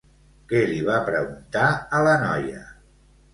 Què li va preguntar a la noia?